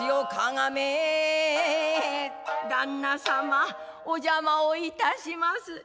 「旦那様お邪魔をいたします」。